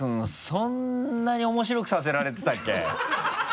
そんなに面白くさせられてたっけ？